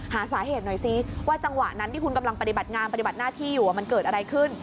หาสาเหตุหน่อยซิว่าจังหวะนั้นที่คุณกำลังปฏิบัติงานปฏิบัติหน้าที่อยู่มันเกิดอะไรขึ้น